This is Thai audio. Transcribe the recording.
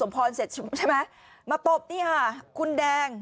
ไม่รู้อะไรกับใคร